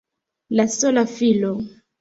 La sola filo!